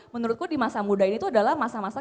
menurutku di masa muda ini tuh adalah masa masa